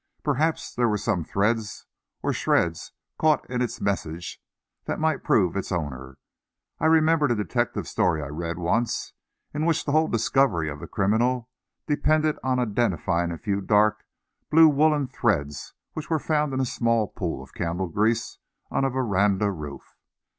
Perhaps there were some threads or shreds caught in its meshes that might point to its owner. I remembered a detective story I read once, in which the whole discovery of the criminal depended on identifying a few dark blue woollen threads which were found in a small pool of candle grease on a veranda roof.